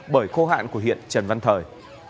bởi khô hạn của huyện trần văn thời